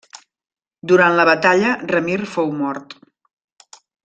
Durant la batalla Ramir fou mort.